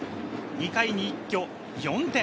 ２回に一挙４点。